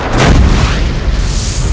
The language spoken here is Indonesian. tidak ada yang lebih sakti dariku